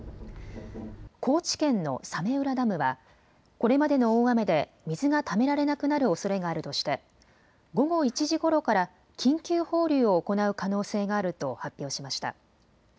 高知県の早明浦ダムはこれまでの大雨で水がためられなくなるおそれがあるとして午後１時ごろから緊急放流を行う可能性があると発表しました。